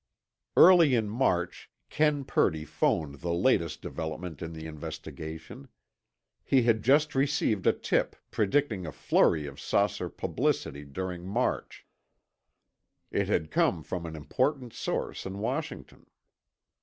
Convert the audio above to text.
Early in March, Ken Purdy phoned the latest development in the investigation. He had just received a tip predicting a flurry of saucer publicity during March. It had come from an important source in Washington.